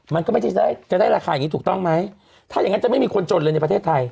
มันก็ไม่ได้จะได้ราคาอย่างนี้ถูกต้องไหมถ้าอย่างงั้นจะไม่มีคนจนเลยในประเทศไทย